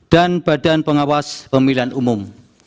dan badan pengawas pemilihan umum